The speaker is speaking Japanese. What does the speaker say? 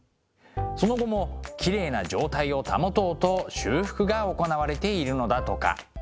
その後もきれいな状態を保とうと修復が行われているのだとか。